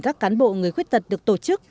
các cán bộ người khuyết tật được tổ chức